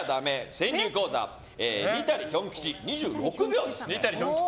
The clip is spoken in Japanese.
川柳講座、にたりひょん吉２６秒です。